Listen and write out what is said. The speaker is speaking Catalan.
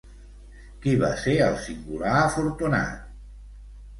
Qui va ser el singular afortunat?